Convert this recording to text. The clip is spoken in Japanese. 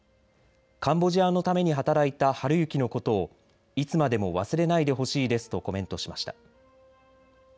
カンボジアのために働いた晴行のことをいつまでも忘れないでほしいですとコメントしました。